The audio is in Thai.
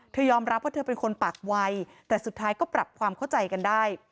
ยอมรับว่าเธอเป็นคนปากวัยแต่สุดท้ายก็ปรับความเข้าใจกันได้